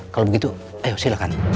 kalau begitu ayo silakan